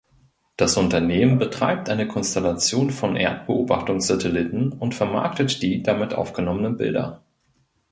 Das Unternehmen betreibt eine Konstellation von Erdbeobachtungssatelliten und vermarktet die damit aufgenommenen Bilder.